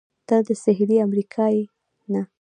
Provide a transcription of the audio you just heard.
ته د سهېلي امریکا یې؟ نه.